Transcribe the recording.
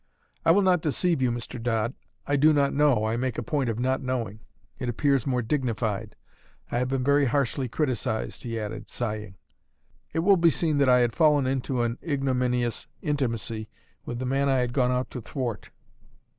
"I will not deceive you, Mr. Dodd. I do not know, I make a point of not knowing; it appears more dignified. I have been very harshly criticised," he added, sighing. It will be seen that I had fallen into an ignominious intimacy with the man I had gone out to thwart.